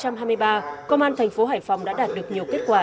năm hai nghìn hai mươi ba công an thành phố hải phòng đã đạt được nhiều kết quả